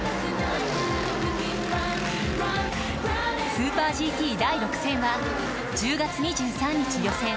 スーパーＧＴ第６戦は１０月２３日予選。